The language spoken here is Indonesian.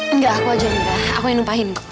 enggak aku aja yang beresin aku yang ngupain kok